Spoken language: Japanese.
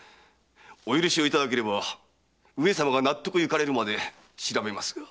お許しをいただければ上様が納得いかれるまで調べますが。